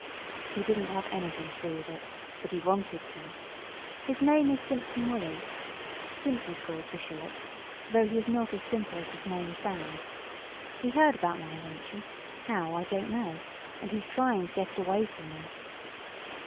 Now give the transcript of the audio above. "He didn't have anything to do with it but he wanted to. His name is Simpson Wolley Simp, he's called for short, though he is not as simple as his name sounds. He heard about my invention how, I don't know and he's trying to get it away from me."